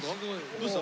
どうした？